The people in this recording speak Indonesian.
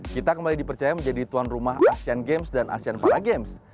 kita kembali dipercaya menjadi tuan rumah asean games dan asean para games